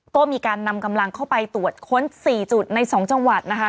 ก็มีการนำกำลังเข้าไปตรวจค้น๔จุดใน๒จังหวัดนะคะ